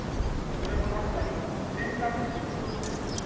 それも確かに選択肢の１つです。